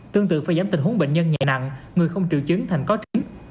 tương tự phải giảm tình huống bệnh nhân nhẹ nặng người không triệu chứng thành có chín